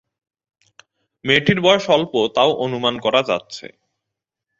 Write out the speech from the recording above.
মেয়েটির বয়স অল্প তাও অনুমান করা যাচ্ছে।